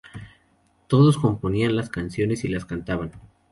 Todos componían las canciones y las cantaban.